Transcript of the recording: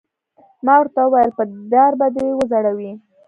ما ورته وویل: په دار به دې وځړوي.